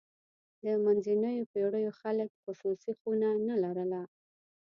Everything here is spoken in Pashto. د منځنیو پېړیو خلک خصوصي خونه نه لرله.